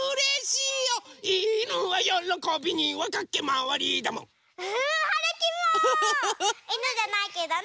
いぬじゃないけどね。